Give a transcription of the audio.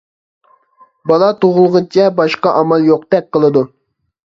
بالا تۇغۇلغۇچە باشقا ئامال يوقتەك قىلىدۇ.